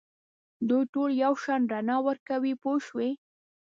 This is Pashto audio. دوی ټول یو شان رڼا ورکوي پوه شوې!.